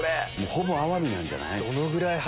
ほぼアワビなんじゃない？